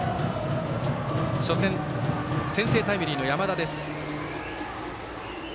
初戦、先制タイムリーの山田です。